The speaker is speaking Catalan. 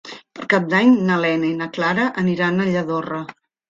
Per Cap d'Any na Lena i na Clara aniran a Lladorre.